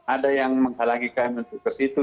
ada yang menghalangikan untuk ke situ